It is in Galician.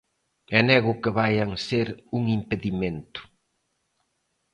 E nego que vaian ser un impedimento.